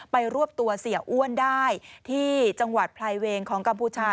รวบตัวเสียอ้วนได้ที่จังหวัดพลายเวงของกัมพูชา